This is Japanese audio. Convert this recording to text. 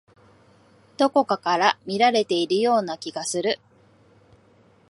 どこかから見られているような気がする。